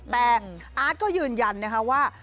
แต่อาร์ตก็ยืนยันนะคะว่า